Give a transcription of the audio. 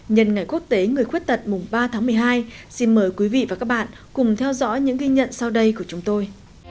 nhân ngày quốc tế người khuyết tật mùng ba tháng một mươi hai xin mời quý vị và các bạn cùng theo dõi những ghi nhận sau đây của chúng tôi